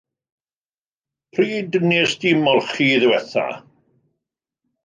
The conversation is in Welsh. Pryd wnest ti molchi ddiwetha?